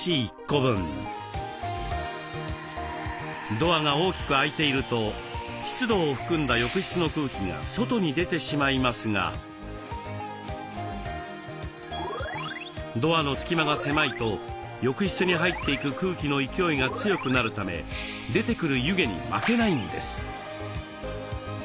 ドアが大きく開いていると湿度を含んだ浴室の空気が外に出てしまいますがドアの隙間が狭いと浴室に入っていく空気の勢いが強くなるため出てくる湯気に負けないんです。